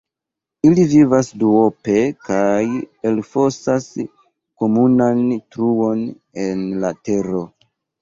Ili vivas duope kaj elfosas komunan truon en la tero.